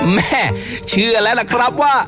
แม่เชื่อแล้วล่ะครับว่า